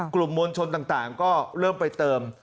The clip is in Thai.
กลุ่มมวลชนต่างก็เริ่มไปเติม